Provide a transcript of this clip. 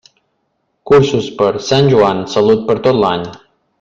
Cursos per Sant Joan, salut per a tot l'any.